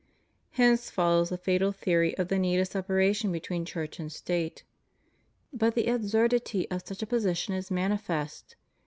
Hence follows the fatal theory of the need of separation between Church and State. But the absurdity of such a position is manifest.